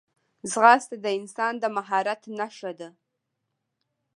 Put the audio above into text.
ځغاسته د انسان د مهارت نښه ده